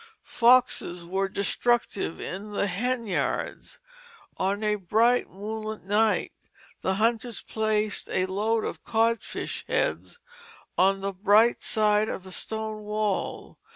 Foxes were destructive in the hen yards. On a bright moonlight night the hunters placed a load of codfish heads on the bright side of a stone wall.